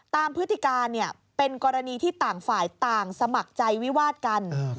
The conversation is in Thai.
พฤติการเป็นกรณีที่ต่างฝ่ายต่างสมัครใจวิวาดกัน